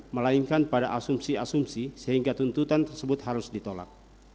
melainkan pada asumsi asumsi sehingga tuntutan tersebut harus ditolak